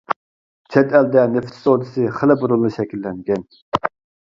چەت ئەلدە نېفىت سودىسى خېلى بۇرۇنلا شەكىللەنگەن.